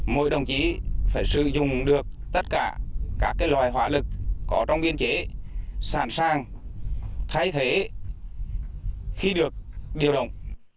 mỗi đồng chí phải sử dụng được tất cả các loài hỏa lực có trong biên chế sẵn sàng thay thế khi được điều động